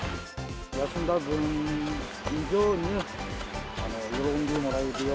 休んだ分以上に、喜んでもらえるよう。